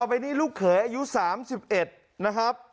ไปนี่ลูกเขยอายุ๓๑นะครับ